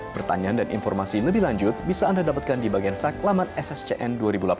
pertanyaan dan informasi lebih lanjut bisa anda dapatkan di bagian faklamat sscn dua ribu delapan belas